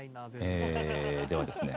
えではですね。